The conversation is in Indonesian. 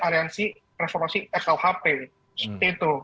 aliansi reformasi rkuhp itu